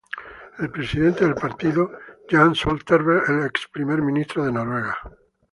El presidente del partido, Jens Stoltenberg, el ex Primer ministro de Noruega.